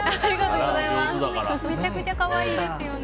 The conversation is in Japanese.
めちゃくちゃ可愛いですよね。